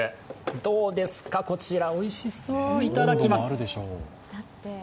どうですか、こちらおいしそう、いただきます。